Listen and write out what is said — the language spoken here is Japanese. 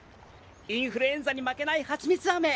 インフルエンザに負けない蜂みつあめ！